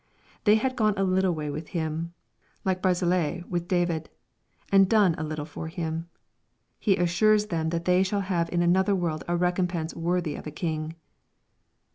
They had gone a little way with Him, like Barzillai with David, and done a little for Him. He assures them that they shall tave in another world a recompense worthy rf a king.